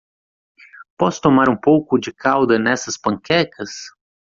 Posso tomar um pouco de calda nessas panquecas?